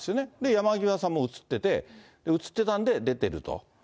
山際さんも写ってて、写ってたんで出てると。